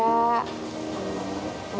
mbak cuman gak mau ada salah salah